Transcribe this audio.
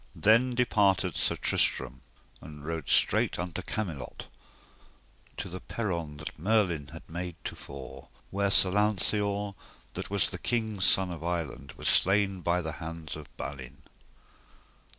Then departed Sir Tristram and rode straight unto Camelot, to the peron that Merlin had made to fore, where Sir Lanceor, that was the king's son of Ireland, was slain by the hands of Balin.